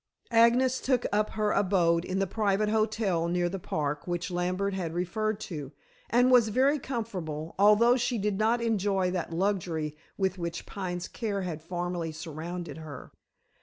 Agnes took up her abode in the private hotel near the Park which Lambert had referred to, and was very comfortable, although she did not enjoy that luxury with which Pine's care had formerly surrounded her.